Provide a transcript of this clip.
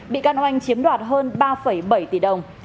bị can minh đã chiếm đoạt hơn ba bảy tỷ đồng